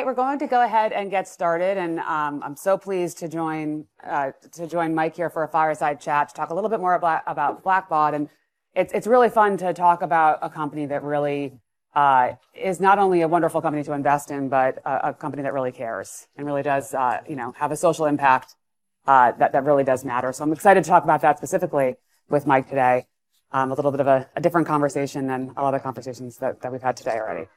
All right, we're going to go ahead and get started. And I'm so pleased to join Mike here for a Fireside Chat to talk a little bit more about Blackbaud. And it's really fun to talk about a company that really is not only a wonderful company to invest in, but a company that really cares and really does have a social impact that really does matter. So I'm excited to talk about that specifically with Mike today, a little bit of a different conversation than a lot of the conversations that we've had today already.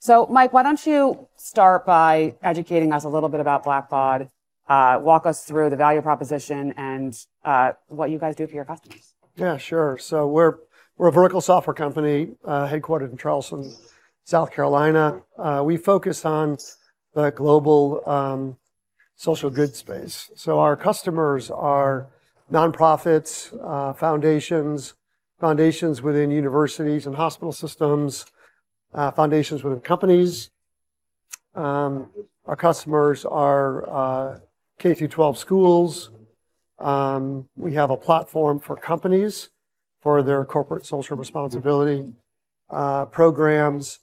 So, Mike, why don't you start by educating us a little bit about Blackbaud, walk us through the value proposition, and what you guys do for your customers? Yeah, sure, so we're a vertical software company headquartered in Charleston, South Carolina. We focus on the global social good space, so our customers are nonprofits, foundations, foundations within universities and hospital systems, foundations within companies. Our customers are K through 12 schools. We have a platform for companies for their corporate social responsibility programs,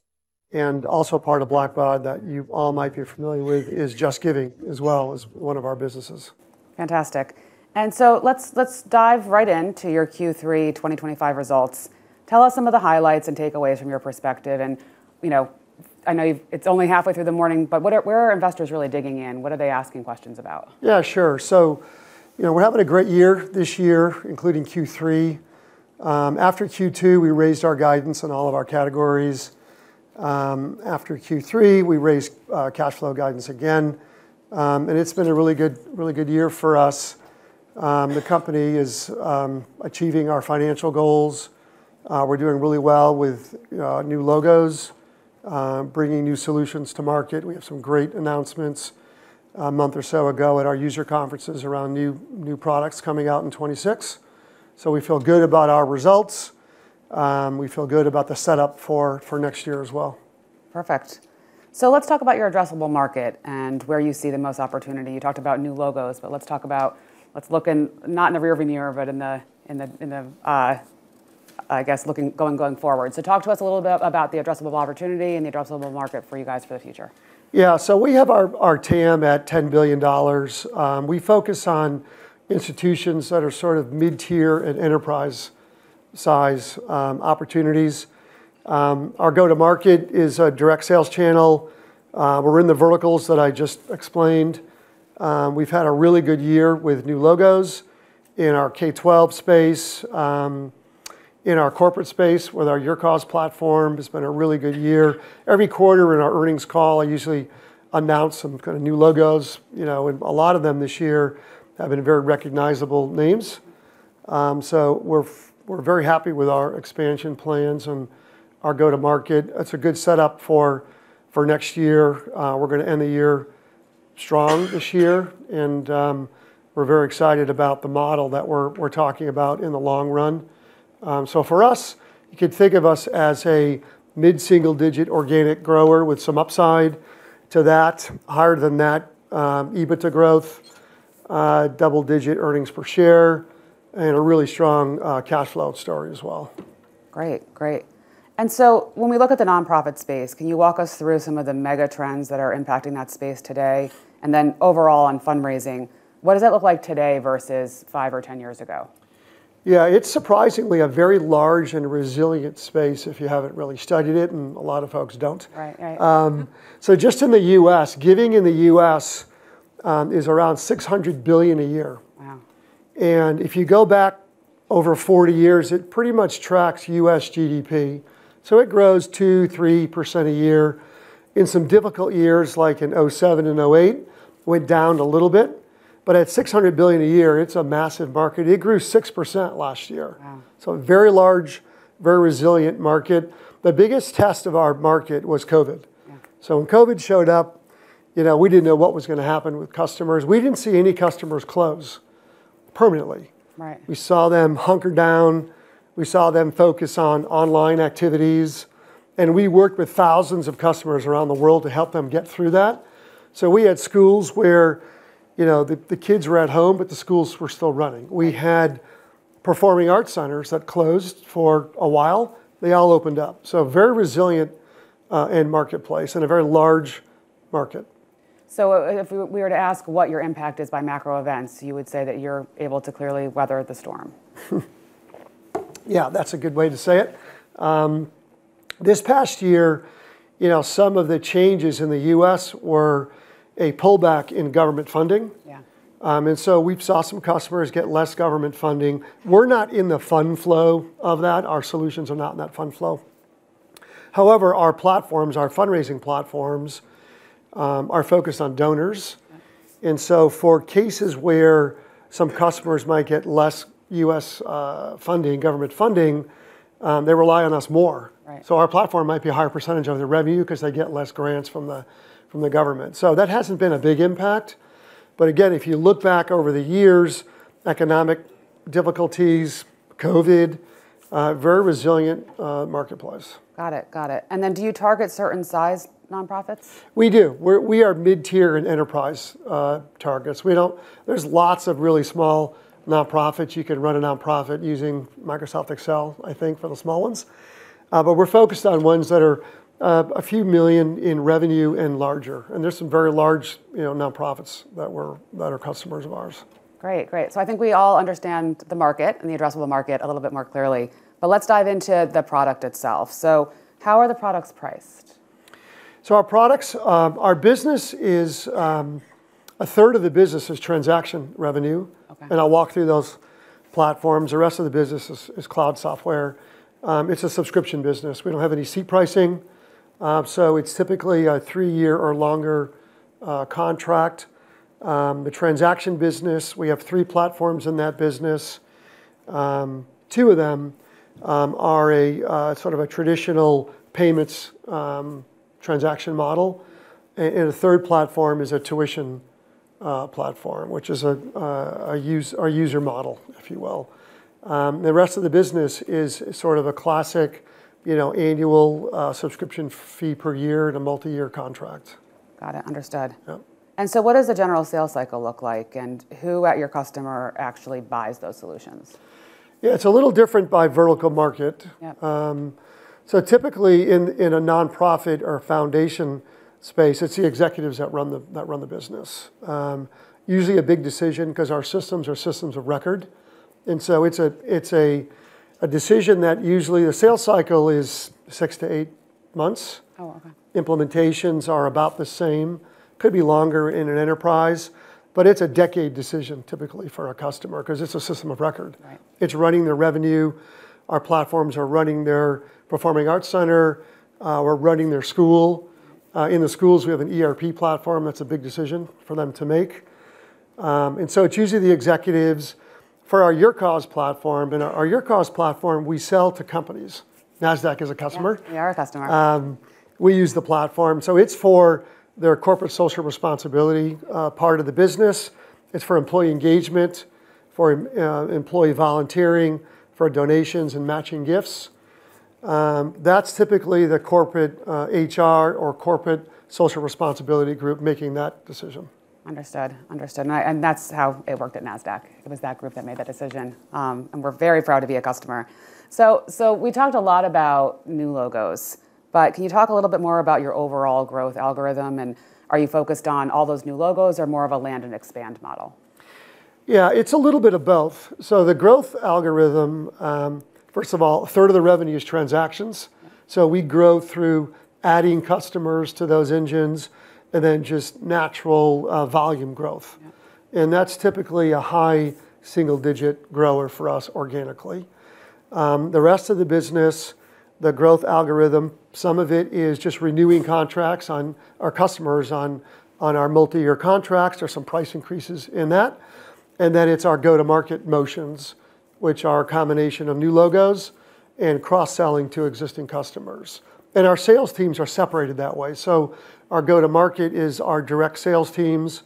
and also part of Blackbaud that you all might be familiar with is JustGiving, as well as one of our businesses. Fantastic, and so let's dive right into your Q3 2025 results. Tell us some of the highlights and takeaways from your perspective, and I know it's only halfway through the morning, but where are investors really digging in? What are they asking questions about? Yeah, sure. So we're having a great year this year, including Q3. After Q2, we raised our guidance in all of our categories. After Q3, we raised cash flow guidance again. And it's been a really good year for us. The company is achieving our financial goals. We're doing really well with new logos, bringing new solutions to market. We have some great announcements a month or so ago at our user conferences around new products coming out in 2026. So we feel good about our results. We feel good about the setup for next year as well. Perfect. So let's talk about your addressable market and where you see the most opportunity. You talked about new logos, but let's talk about, let's look not in the rearview mirror, but in the, I guess, looking going forward. So talk to us a little bit about the addressable opportunity and the addressable market for you guys for the future. Yeah, so we have our TAM at $10 billion. We focus on institutions that are sort of mid-tier and enterprise size opportunities. Our go-to-market is a direct sales channel. We're in the verticals that I just explained. We've had a really good year with new logos in our K-12 space, in our corporate space with our YourCause platform. It's been a really good year. Every quarter in our earnings call, I usually announce some kind of new logos. And a lot of them this year have been very recognizable names. So we're very happy with our expansion plans and our go-to-market. It's a good setup for next year. We're going to end the year strong this year. And we're very excited about the model that we're talking about in the long run. For us, you could think of us as a mid-single-digit organic grower with some upside to that, higher than that, EBITDA growth, double-digit earnings per share, and a really strong cash flow story as well. Great, great, and so when we look at the nonprofit space, can you walk us through some of the mega trends that are impacting that space today, and then overall on fundraising, what does that look like today versus five or ten years ago? Yeah, it's surprisingly a very large and resilient space if you haven't really studied it, and a lot of folks don't, so just in the U.S., giving in the U.S. is around $600 billion a year, and if you go back over 40 years, it pretty much tracks U.S. GDP, so it grows 2%, 3% a year. In some difficult years like in 2007 and 2008, it went down a little bit, but at $600 billion a year, it's a massive market. It grew 6% last year, so a very large, very resilient market. The biggest test of our market was COVID, so when COVID showed up, we didn't know what was going to happen with customers. We didn't see any customers close permanently. We saw them hunker down. We saw them focus on online activities. And we worked with thousands of customers around the world to help them get through that. So we had schools where the kids were at home, but the schools were still running. We had performing arts centers that closed for a while. They all opened up. So very resilient end marketplace and a very large market. So if we were to ask what your impact is by macro events, you would say that you're able to clearly weather the storm. Yeah, that's a good way to say it. This past year, some of the changes in the U.S. were a pullback in government funding. And so we saw some customers get less government funding. We're not in the fund flow of that. Our solutions are not in that fund flow. However, our platforms, our fundraising platforms, are focused on donors. And so for cases where some customers might get less U.S. funding, government funding, they rely on us more. So our platform might be a higher percentage of the revenue because they get less grants from the government. So that hasn't been a big impact. But again, if you look back over the years, economic difficulties, COVID, very resilient marketplace. Got it, got it. And then do you target certain size nonprofits? We do. We are mid-tier and enterprise targets. There's lots of really small nonprofits. You could run a nonprofit using Microsoft Excel, I think, for the small ones. But we're focused on ones that are a few million in revenue and larger, and there's some very large nonprofits that are customers of ours. Great, great. So I think we all understand the market and the addressable market a little bit more clearly. But let's dive into the product itself. So how are the products priced? So our products, our business is a third of the business is transaction revenue. And I'll walk through those platforms. The rest of the business is cloud software. It's a subscription business. We don't have any seat pricing. So it's typically a three-year or longer contract. The transaction business, we have three platforms in that business. Two of them are a sort of a traditional payments transaction model. And a third platform is a tuition platform, which is our user model, if you will. The rest of the business is sort of a classic annual subscription fee per year and a multi-year contract. Got it, understood. And so what does the general sales cycle look like? And who at your customer actually buys those solutions? Yeah, it's a little different by vertical market, so typically in a nonprofit or foundation space, it's the executives that run the business. Usually a big decision because our systems are systems of record, and so it's a decision that usually the sales cycle is six to eight months. Implementations are about the same. Could be longer in an enterprise, but it's a decade decision typically for a customer because it's a system of record. It's running their revenue. Our platforms are running their performing arts center. We're running their school. In the schools, we have an ERP platform. That's a big decision for them to make, and so it's usually the executives. For our YourCause platform, we sell to companies. NASDAQ is a customer. We are a customer. We use the platform, so it's for their corporate social responsibility part of the business. It's for employee engagement, for employee volunteering, for donations and matching gifts. That's typically the corporate HR or corporate social responsibility group making that decision. Understood, understood. And that's how it worked at NASDAQ. It was that group that made that decision. And we're very proud to be a customer. So we talked a lot about new logos, but can you talk a little bit more about your overall growth algorithm? And are you focused on all those new logos or more of a land and expand model? Yeah, it's a little bit of both, so the growth algorithm, first of all, a third of the revenue is transactions, so we grow through adding customers to those engines and then just natural volume growth, and that's typically a high single digit grower for us organically. The rest of the business, the growth algorithm, some of it is just renewing contracts on our customers on our multi-year contracts or some price increases in that, and then it's our go-to-market motions, which are a combination of new logos and cross-selling to existing customers, and our sales teams are separated that way, so our go-to-market is our direct sales teams.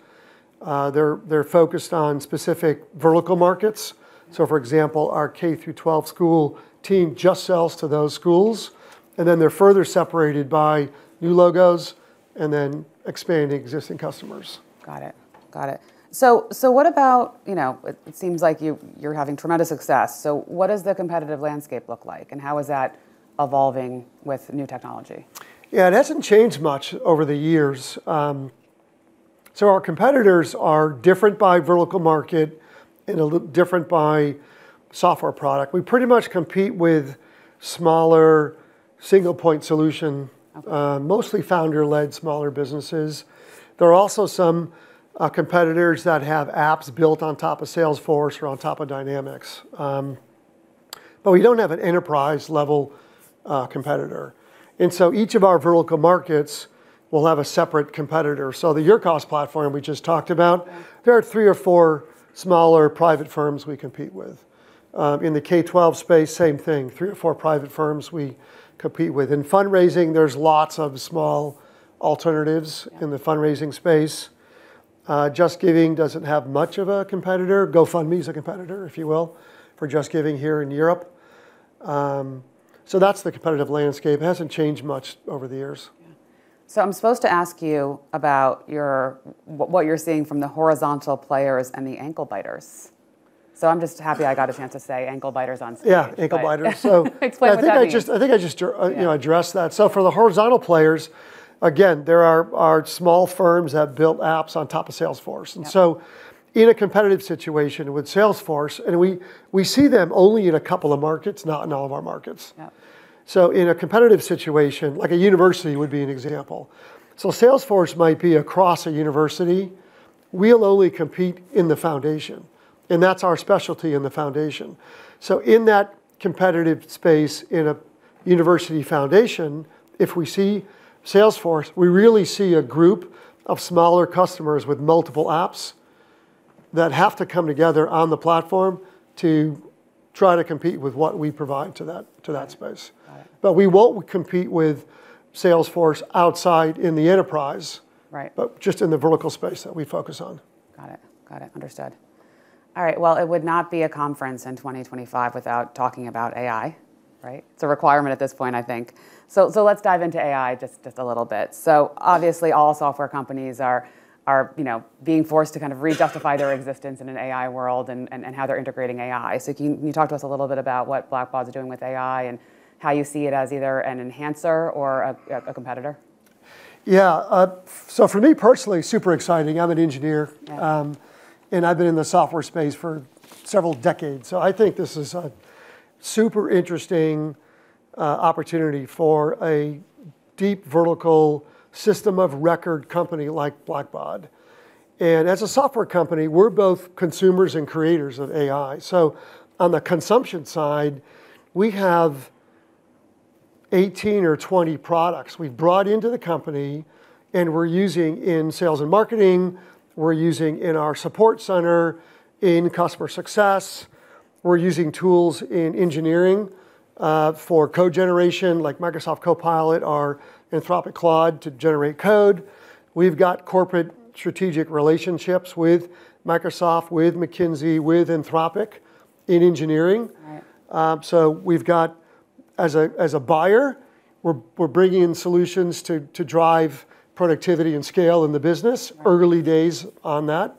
They're focused on specific vertical markets, so for example, our K through 12 school team just sells to those schools, and then they're further separated by new logos and then expanding existing customers. Got it, got it. So, what about it? It seems like you're having tremendous success. So, what does the competitive landscape look like? And how is that evolving with new technology? Yeah, it hasn't changed much over the years, so our competitors are different by vertical market and different by software product. We pretty much compete with smaller single-point solution, mostly founder-led smaller businesses. There are also some competitors that have apps built on top of Salesforce or on top of Dynamics. But we don't have an enterprise-level competitor, and so each of our vertical markets will have a separate competitor, so the YourCause platform we just talked about, there are three or four smaller private firms we compete with. In the K-12 space, same thing, three or four private firms we compete with. In fundraising, there's lots of small alternatives in the fundraising space. JustGiving doesn't have much of a competitor. GoFundMe is a competitor, if you will, for JustGiving here in Europe, so that's the competitive landscape. It hasn't changed much over the years. So I'm supposed to ask you about what you're seeing from the horizontal players and the ankle biters. So I'm just happy I got a chance to say ankle biters on stage. Yeah, ankle biters. Explain what that is. I think I just addressed that, so for the horizontal players, again, there are small firms that built apps on top of Salesforce, and so in a competitive situation with Salesforce, and we see them only in a couple of markets, not in all of our markets, so in a competitive situation, like a university would be an example, so Salesforce might be across a university. We'll only compete in the foundation, and that's our specialty in the foundation, so in that competitive space, in a university foundation, if we see Salesforce, we really see a group of smaller customers with multiple apps that have to come together on the platform to try to compete with what we provide to that space, but we won't compete with Salesforce outside in the enterprise, but just in the vertical space that we focus on. Got it, got it, understood. All right, well, it would not be a conference in 2025 without talking about AI, right? It's a requirement at this point, I think. So let's dive into AI just a little bit. So obviously, all software companies are being forced to kind of re-justify their existence in an AI world and how they're integrating AI. So can you talk to us a little bit about what Blackbaud is doing with AI and how you see it as either an enhancer or a competitor? Yeah, so for me personally, super exciting. I'm an engineer and I've been in the software space for several decades, so I think this is a super interesting opportunity for a deep vertical system of record company like Blackbaud, and as a software company, we're both consumers and creators of AI, so on the consumption side, we have 18 or 20 products we've brought into the company, and we're using in sales and marketing, we're using in our support center, in customer success. We're using tools in engineering for code generation like Microsoft Copilot or Anthropic Claude to generate code. We've got corporate strategic relationships with Microsoft, with McKinsey, with Anthropic in engineering, so we've got, as a buyer, we're bringing in solutions to drive productivity and scale in the business, early days on that,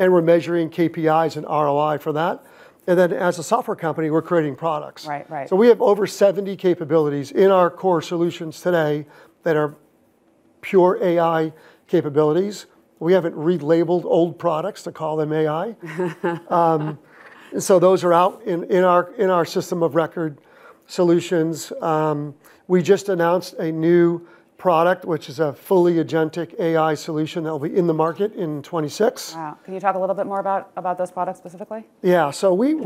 and we're measuring KPIs and ROI for that. And then as a software company, we're creating products. So we have over 70 capabilities in our core solutions today that are pure AI capabilities. We haven't relabeled old products to call them AI. So those are out in our system of record solutions. We just announced a new product, which is a fully agentic AI solution that will be in the market in 2026. Wow. Can you talk a little bit more about those products specifically? Yeah, so in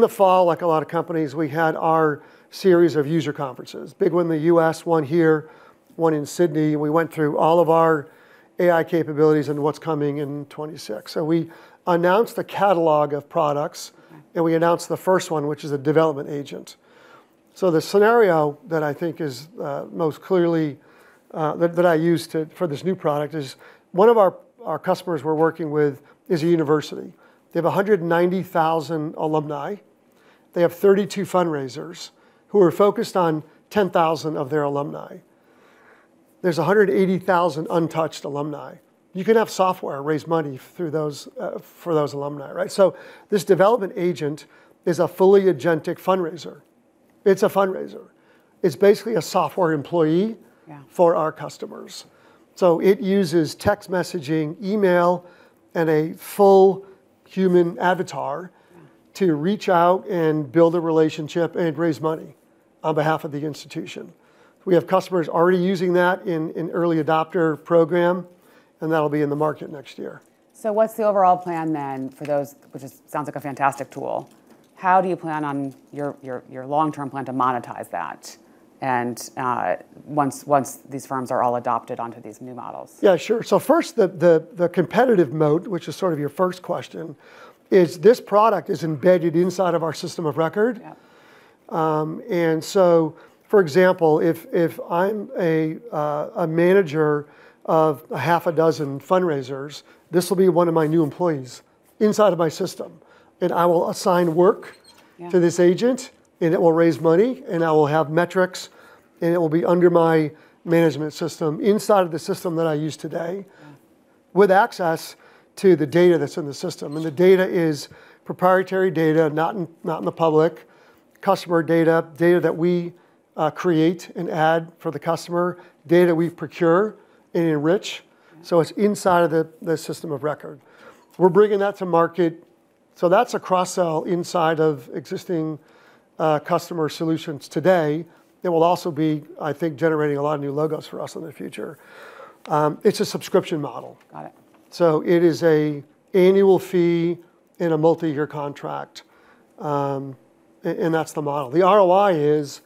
the fall, like a lot of companies, we had our series of user conferences, big one in the U.S., one here, one in Sydney. We went through all of our AI capabilities and what's coming in 2026. So we announced a catalog of products. And we announced the first one, which is a development agent. So the scenario that I think is most clearly that I use for this new product is one of our customers we're working with is a university. They have 190,000 alumni. They have 32 fundraisers who are focused on 10,000 of their alumni. There's 180,000 untouched alumni. You can have software raise money for those alumni, right? So this development agent is a fully agentic fundraiser. It's a fundraiser. It's basically a software employee for our customers. So it uses text messaging, email, and a full human avatar to reach out and build a relationship and raise money on behalf of the institution. We have customers already using that in an early adopter program. And that'll be in the market next year. So what's the overall plan then for those, which sounds like a fantastic tool? How do you plan on your long-term plan to monetize that once these firms are all adopted onto these new models? Yeah, sure. So first, the competitive moat, which is sort of your first question, is this product is embedded inside of our system of record. And so, for example, if I'm a manager of a half a dozen fundraisers, this will be one of my new employees inside of my system. And I will assign work to this agent. And it will raise money. And I will have metrics. And it will be under my management system inside of the system that I use today with access to the data that's in the system. And the data is proprietary data, not in the public, customer data, data that we create and add for the customer, data we procure and enrich. So it's inside of the system of record. We're bringing that to market. So that's a cross-sell inside of existing customer solutions today that will also be, I think, generating a lot of new logos for us in the future. It's a subscription model. So it is an annual fee in a multi-year contract. And that's the model. The ROI is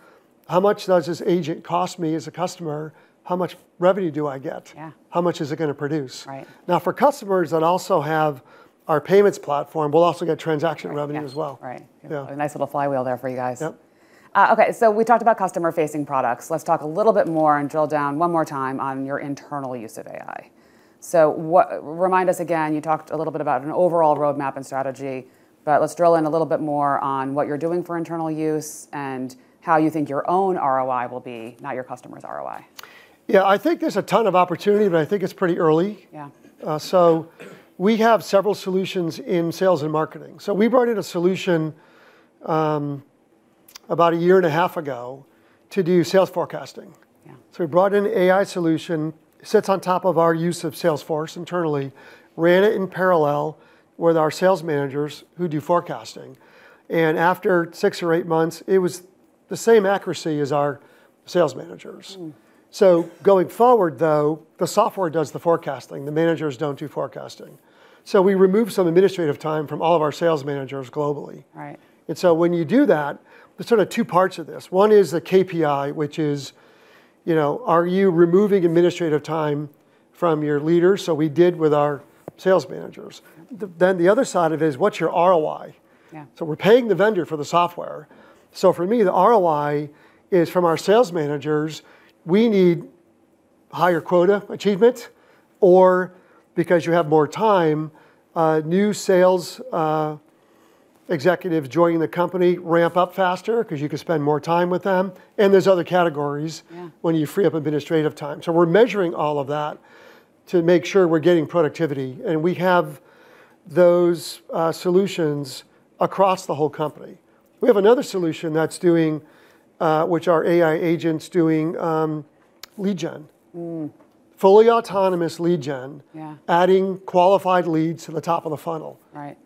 how much does this agent cost me as a customer? How much revenue do I get? How much is it going to produce? Now, for customers that also have our payments platform, we'll also get transaction revenue as well. Right, a nice little flywheel there for you guys. Okay, so we talked about customer-facing products. Let's talk a little bit more and drill down one more time on your internal use of AI. So remind us again, you talked a little bit about an overall roadmap and strategy. But let's drill in a little bit more on what you're doing for internal use and how you think your own ROI will be, not your customer's ROI. Yeah, I think there's a ton of opportunity, but I think it's pretty early, so we have several solutions in sales and marketing, so we brought in a solution about a year and a half ago to do sales forecasting, so we brought in an AI solution, sits on top of our use of Salesforce internally, ran it in parallel with our sales managers who do forecasting, and after six or eight months, it was the same accuracy as our sales managers, so going forward, though, the software does the forecasting. The managers don't do forecasting, so we remove some administrative time from all of our sales managers globally, and so when you do that, there's sort of two parts of this. One is the KPI, which is, are you removing administrative time from your leaders? So we did with our sales managers. Then the other side of it is, what's your ROI? So we're paying the vendor for the software. So for me, the ROI is from our sales managers. We need higher quota achievement or, because you have more time, new sales executives joining the company ramp up faster because you can spend more time with them. And there's other categories when you free up administrative time. So we're measuring all of that to make sure we're getting productivity. And we have those solutions across the whole company. We have another solution that's doing, which our AI agent's doing, lead gen, fully autonomous lead gen, adding qualified leads to the top of the funnel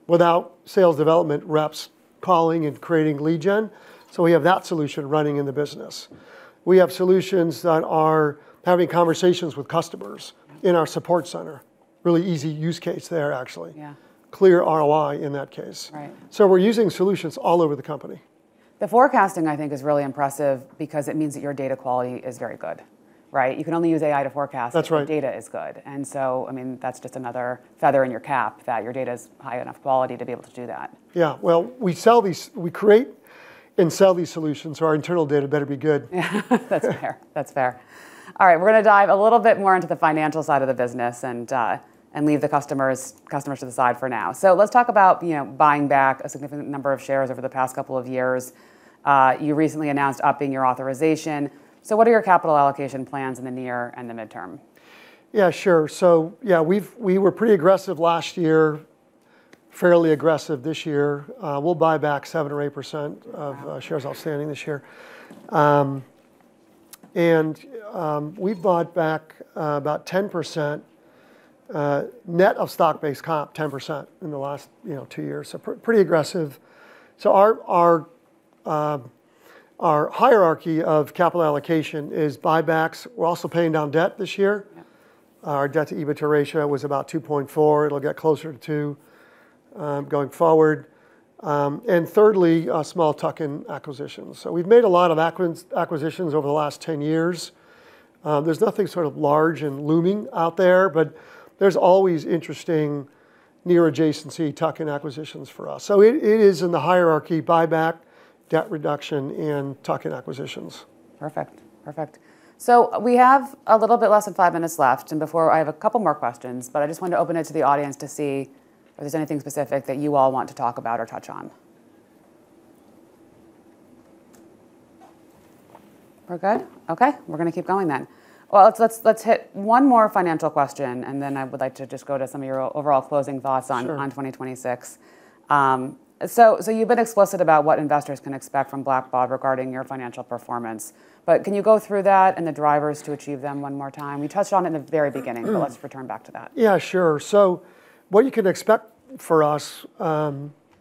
without sales development reps calling and creating lead gen. So we have that solution running in the business. We have solutions that are having conversations with customers in our support center. Really easy use case there, actually. Clear ROI in that case. So we're using solutions all over the company. The forecasting, I think, is really impressive because it means that your data quality is very good, right? You can only use AI to forecast if your data is good. And so, I mean, that's just another feather in your cap that your data is high enough quality to be able to do that. Yeah, well, we create and sell these solutions, so our internal data better be good. That's fair. That's fair. All right, we're going to dive a little bit more into the financial side of the business and leave the customers to the side for now. So let's talk about buying back a significant number of shares over the past couple of years. You recently announced upping your authorization. So what are your capital allocation plans in the near and the midterm? Yeah, sure. So yeah, we were pretty aggressive last year, fairly aggressive this year. We'll buy back 7% or 8% of shares outstanding this year. And we've bought back about 10% net of stock-based comp, 10% in the last two years. So pretty aggressive. So our hierarchy of capital allocation is buybacks. We're also paying down debt this year. Our debt-to-EBITDA ratio was about 2.4. It'll get closer to 2 going forward. And thirdly, small tuck-in acquisitions. So we've made a lot of acquisitions over the last 10 years. There's nothing sort of large and looming out there. But there's always interesting near-adjacency tuck-in acquisitions for us. So it is in the hierarchy, buyback, debt reduction, and tuck-in acquisitions. Perfect. Perfect. So we have a little bit less than five minutes left. And before, I have a couple more questions. But I just wanted to open it to the audience to see if there's anything specific that you all want to talk about or touch on. We're good? Okay, we're going to keep going then. Well, let's hit one more financial question. And then I would like to just go to some of your overall closing thoughts on 2026. So you've been explicit about what investors can expect from Blackbaud regarding your financial performance. But can you go through that and the drivers to achieve them one more time? We touched on it in the very beginning. But let's return back to that. Yeah, sure. So what you can expect for us,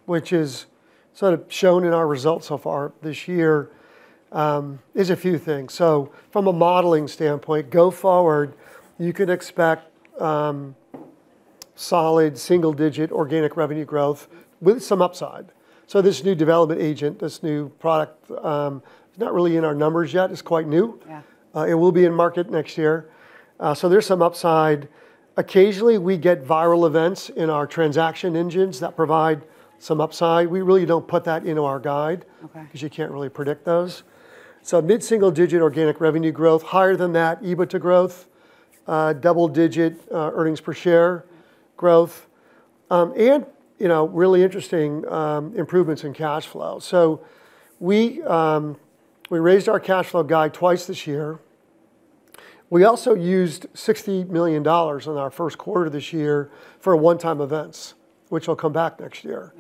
which is sort of shown in our results so far this year, is a few things. So from a modeling standpoint, go forward, you can expect solid single-digit organic revenue growth with some upside. So this new development agent, this new product, it's not really in our numbers yet. It's quite new. It will be in market next year. So there's some upside. Occasionally, we get viral events in our transaction engines that provide some upside. We really don't put that into our guide because you can't really predict those. So mid-single-digit organic revenue growth, higher than that, EBITDA growth, double-digit earnings per share growth, and really interesting improvements in cash flow. So we raised our cash flow guide twice this year. We also used $60 million in our first quarter of this year for one-time events, which will come back next year.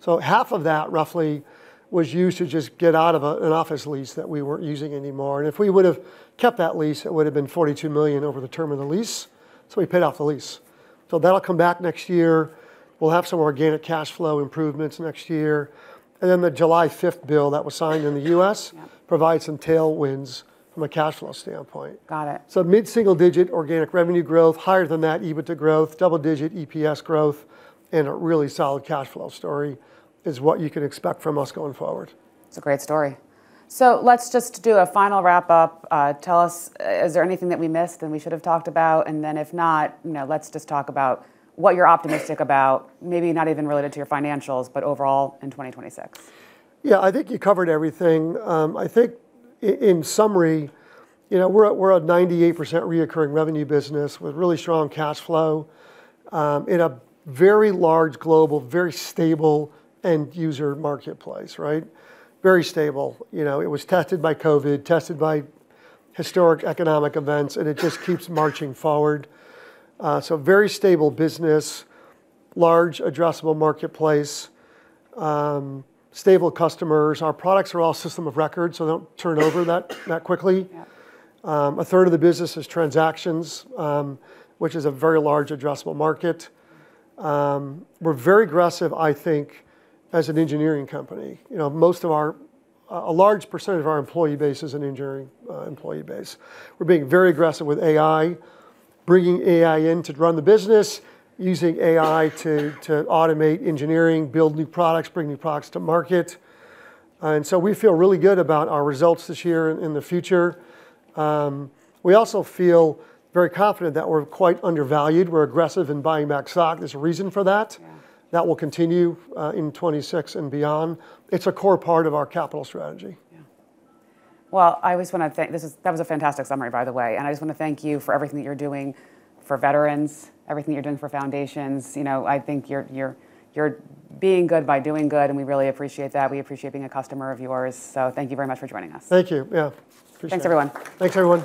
So half of that roughly was used to just get out of an office lease that we weren't using anymore. And if we would have kept that lease, it would have been $42 million over the term of the lease. So we paid off the lease. So that'll come back next year. We'll have some organic cash flow improvements next year. And then the July 5th bill that was signed in the U.S. provides some tailwinds from a cash flow standpoint. So mid-single-digit organic revenue growth, higher than that, EBITDA growth, double-digit EPS growth, and a really solid cash flow story is what you can expect from us going forward. It's a great story. So let's just do a final wrap-up. Tell us, is there anything that we missed that we should have talked about? And then if not, let's just talk about what you're optimistic about, maybe not even related to your financials, but overall in 2026. Yeah, I think you covered everything. I think in summary, we're a 98% recurring revenue business with really strong cash flow in a very large global, very stable end-user marketplace, right? Very stable. It was tested by COVID, tested by historic economic events, and it just keeps marching forward, so very stable business, large addressable marketplace, stable customers. Our products are all system of record, so they don't turn over that quickly. A third of the business is transactions, which is a very large addressable market. We're very aggressive, I think, as an engineering company. A large percentage of our employee base is an engineering employee base. We're being very aggressive with AI, bringing AI in to run the business, using AI to automate engineering, build new products, bring new products to market, and so we feel really good about our results this year and in the future. We also feel very confident that we're quite undervalued. We're aggressive in buying back stock. There's a reason for that. That will continue in 2026 and beyond. It's a core part of our capital strategy. I just want to thank you. That was a fantastic summary, by the way, and I just want to thank you for everything that you're doing for veterans, everything you're doing for foundations. I think you're doing well by doing good. We really appreciate that. We appreciate being a customer of yours, so thank you very much for joining us. Thank you. Yeah, appreciate it. Thanks, everyone. Thanks, everyone.